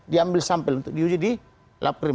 diambil sampel untuk diuji di lab krim